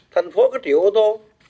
thành phố có triệu ô tô